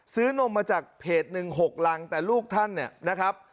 นมมาจากเพจหนึ่ง๖รังแต่ลูกท่านเนี่ยนะครับ